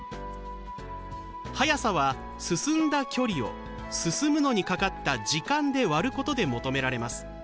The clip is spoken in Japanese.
「速さ」は進んだ「距離」を進むのにかかった「時間」で割ることで求められます。